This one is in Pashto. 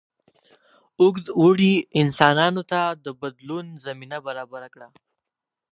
اوږد اوړي انسانانو ته د بدلون زمینه برابره کړه.